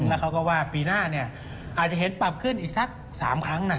แล้วเขาก็ว่าปีหน้าอาจจะเห็นปรับขึ้นอีกสัก๓ครั้ง